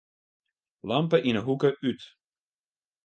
Lampe yn 'e hoeke út.